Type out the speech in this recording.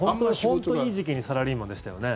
本当にいい時期にサラリーマンでしたよね。